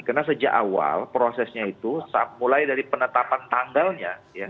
karena sejak awal prosesnya itu mulai dari penetapan tanggalnya